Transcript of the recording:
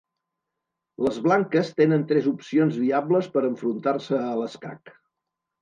Les blanques tenen tres opcions viables per enfrontar-se a l'escac.